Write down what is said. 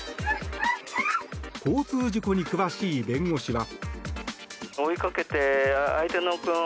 交通事故に詳しい弁護士は。